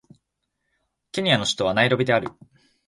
ケニアの首都はナイロビである